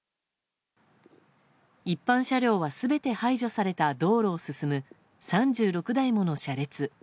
一般車両は全て排除された道路を進む３６台もの車列。